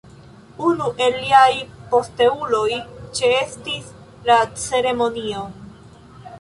Unu el liaj posteuloj ĉeestis la ceremonion.